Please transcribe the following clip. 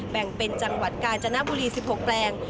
แบ่งเป็นจังหวัดกาญจนบุรี๑๖แปลง